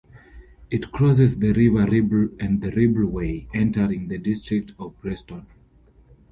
It crosses the River Ribble and the Ribble Way, entering the district of Preston.